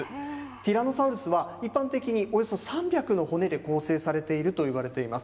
ティラノサウルスは一般的におよそ３００の骨で構成されているといわれています。